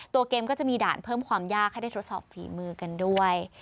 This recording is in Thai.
ตัวเกมก็จะมีด่านเพิ่มความยากให้ได้ทดสอบฝีมือกันด้วย